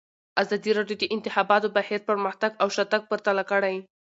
ازادي راډیو د د انتخاباتو بهیر پرمختګ او شاتګ پرتله کړی.